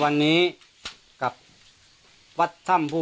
ข้าพเจ้านางสาวสุภัณฑ์หลาโภ